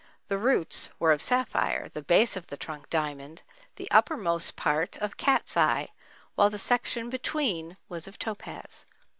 The roots were of sapphire; the base of the trunk of diamond, the uppermost part of cat's eye, while the section between was of topaz.